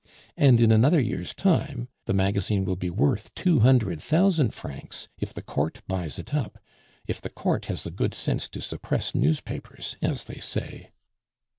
And in another year's time the magazine will be worth two hundred thousand francs, if the Court buys it up; if the Court has the good sense to suppress newspapers, as they say."